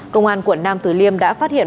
công an quận nam từ liêm đã phát hiện